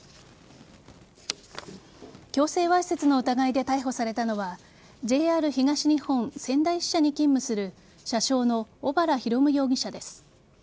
強制わいせつの疑いで逮捕されたのはＪＲ東日本仙台支社に勤務する車掌の小原広夢容疑者です。